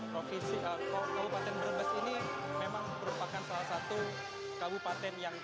provinsi kabupaten brebes ini memang merupakan salah satu kabupaten yang